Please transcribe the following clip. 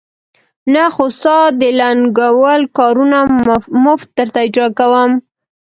نه، خو ستا د لنګول کارونه مفت درته اجرا کوم.